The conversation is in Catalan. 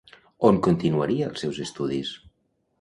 On continuaria els seus estudis?